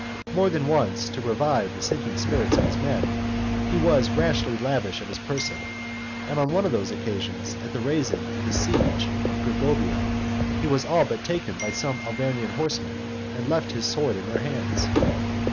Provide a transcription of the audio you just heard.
More than once, to revive the sinking spirits of his men, he was rashly lavish of his person; and on one of those occasions, at the raising of the siege of Gergovia, he was all but taken by some Arvernian horsemen, and left his sword in their hands.